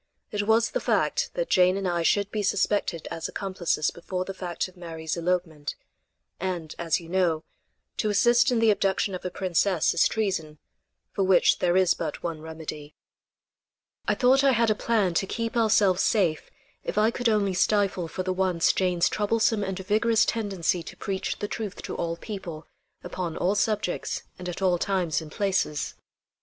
It was the fact that Jane and I should be suspected as accomplices before the fact of Mary's elopement; and, as you know, to assist in the abduction of a princess is treason for which there is but one remedy. I thought I had a plan to keep ourselves safe if I could only stifle for the once Jane's troublesome and vigorous tendency to preach the truth to all people, upon all subjects and at all times and places.